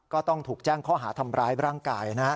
ก็ต้องถูกแจ้งข้อหาทำร้ายร่างกายนะครับ